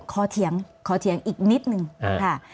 ขอเถียงอีกนิดนึงค่ะ